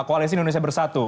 koalisi indonesia bersatu